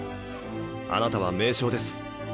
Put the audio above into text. あなたは名将です。